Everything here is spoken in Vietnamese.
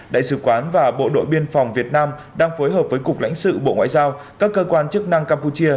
đại sứ quán và bộ đội biên phòng việt nam đang phối hợp với cục lãnh sự bộ ngoại giao các cơ quan chức năng campuchia